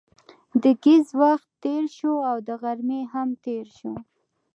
د ګهیځ وخت تېر شو او د غرمې هم تېر شو.